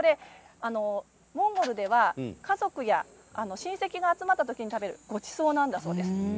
モンゴルでは家族や親戚が集まった時に食べるごちそうなんだそうです。